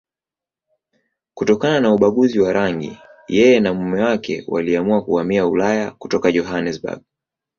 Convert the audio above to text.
Kutokana na ubaguzi wa rangi, yeye na mume wake waliamua kuhamia Ulaya kutoka Johannesburg.